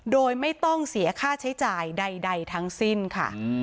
โดยไม่ต้องเสียค่าใช้จ่ายใดทั้งสิ้นค่ะ